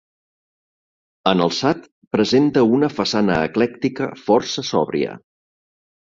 En alçat, presenta una façana eclèctica força sòbria.